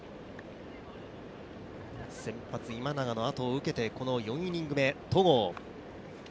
先発・今永のあとを受けて、４イニング目、戸郷。